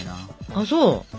あっそう。